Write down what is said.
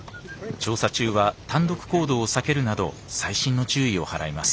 調査中は単独行動を避けるなど細心の注意を払います。